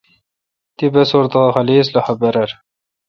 تی بسور تہ خاصلخہ برر